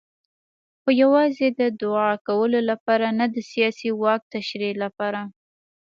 خو یوازې د دوعا کولو لپاره نه د سیاسي واک تشریح لپاره.